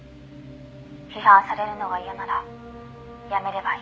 「批判されるのが嫌なら辞めればいい」